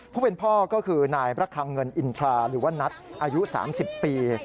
ผู้เป็นพ่อก็คือนายประคังเงินอินทราหรือว่านัทอายุ๓๐ปี